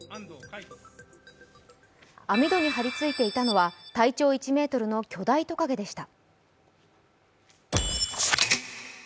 網戸に張り付いていたのは体長１ｍの巨大トカゲでした。